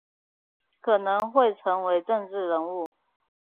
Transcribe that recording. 可能会成为政治人物